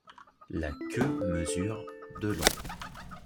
La queue mesure de long.